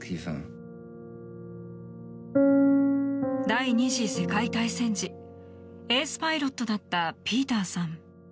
第２次世界大戦時エースパイロットだったピーターさん。